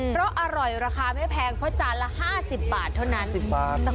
เพราะอร่อยราคาไม่แพงเพราะจานละ๕๐บาทเท่านั้น